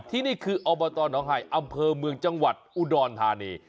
ที่นี่คืออบตหนองหายอำเภอเมืองจังหวัดอุดรธานี